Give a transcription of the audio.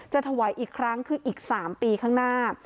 ถวายอีกครั้งคืออีก๓ปีข้างหน้า